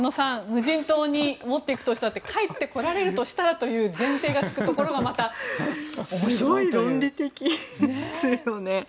無人島に持っていくとしたらで帰ってこられるとしたらという前提がつくところがすごい論理的ですよね。